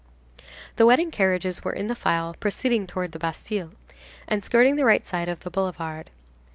The wedding carriages were in the file proceeding towards the Bastille, and skirting the right side of the Boulevard.